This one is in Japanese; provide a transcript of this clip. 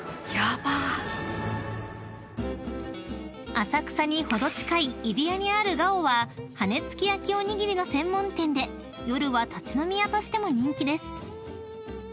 ［浅草に程近い入谷にある「ｇａｏ−ガオ−」は羽根つき焼きおにぎりの専門店で夜は立ち飲み屋としても人気です］